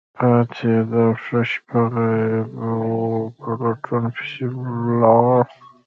پاڅید او ښه شیبه غایب وو، په لټون پسې ولاړ.